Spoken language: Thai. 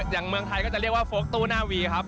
เมืองไทยก็จะเรียกว่าโฟลกตู้หน้าวีครับ